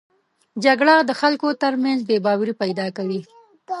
جګړه د خلکو تر منځ بې باوري پیدا کوي